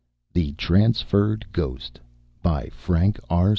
The Transferred Ghost BY FRANK R.